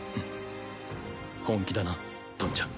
本気だなトンちゃん。